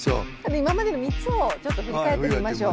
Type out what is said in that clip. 今までの３つをちょっと振り返ってみましょう。